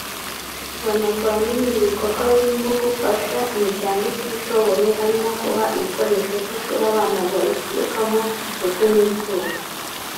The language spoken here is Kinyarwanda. banakora n’ibindi bikorwa birimo gufasha imiryango itishoboye harimo guha ibikoresho by’ishuri abana bayiturukamo ndetse n’impfubyi